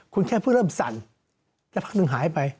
คุณแค่เพิ่งเริ่มสั่นสักพักหนึ่งหายไป